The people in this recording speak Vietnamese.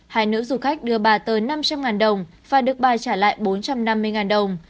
hai nữ du khách đưa bà tới năm trăm linh đồng và được bà trả lại bốn trăm năm mươi đồng